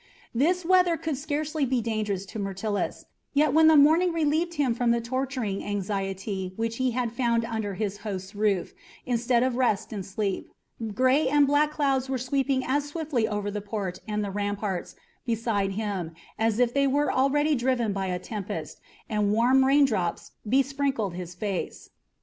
This weather could scarcely be dangerous to Myrtilus, yet when the morning relieved him from the torturing anxiety which he had found under his host's roof instead of rest and sleep, gray and black clouds were sweeping as swiftly over the port and the ramparts beside him as if they were already driven by a tempest, and warm raindrops besprinkled his face.